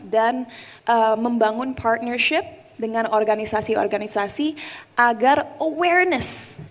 dan membangun partnership dengan organisasi organisasi agar awareness